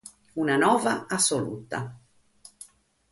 Una nova assoluta.